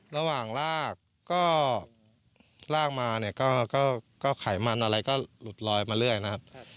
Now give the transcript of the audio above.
ลากก็ลากมาเนี่ยก็ไขมันอะไรก็หลุดลอยมาเรื่อยนะครับ